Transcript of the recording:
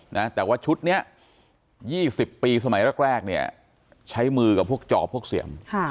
นะแต่ว่าชุดเนี้ยยี่สิบปีสมัยแรกแรกเนี่ยใช้มือกับพวกจอบพวกเสียมค่ะ